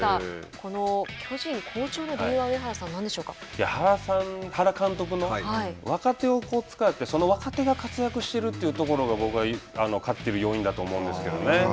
この巨人好調の理由は上原さん、原監督の若手を使ってその若手が活躍してるというところが僕は勝っている要因だと思うんですけどね。